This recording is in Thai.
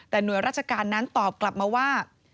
แต่หน่วยราชการนั้นตอบกลับมาว่า